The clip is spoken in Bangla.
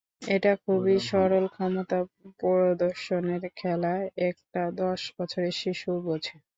এটা খুবই সরল ক্ষমতা প্রদর্শনের খেলা, একটা দশ বছরের শিশুও বোঝে।